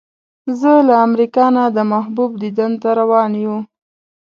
زه له امریکا نه د محبوب دیدن ته روان یو.